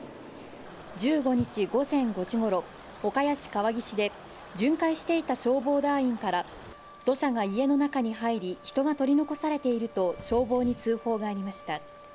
１５日午前５時ごろ岡谷市川岸で巡回していた消防団員から土砂が家の中に入り人が取り残されていると消防に通報がありました。